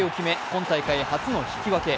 今大会初の引き分け。